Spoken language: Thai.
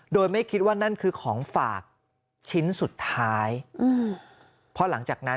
โดยไม่คิดว่านั้นคือของฝากชิ้นสุดท้ายอืม